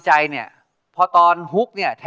จ้าวรอคอย